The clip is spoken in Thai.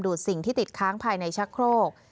สิ่งที่ติดค้างภายในชักโครก